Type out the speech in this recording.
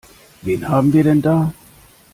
Wen haben wir denn da?